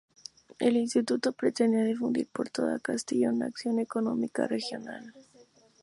El Instituto pretendía ""difundir por toda Castilla una acción económica regional"".